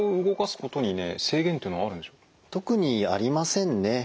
特にありませんね。